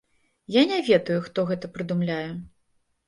Я не ведаю, хто гэта прыдумляе.